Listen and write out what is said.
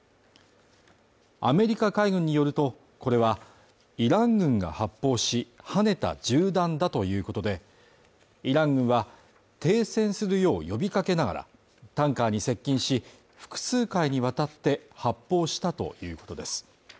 アメリカ海軍によると、これはイラン軍が発砲し、はねた銃弾だということで、イラン軍は停戦するよう呼びかけながらタンカーに接近し、複数回にわたって発砲したということです。